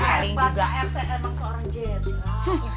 paling juga rete emang seorang jen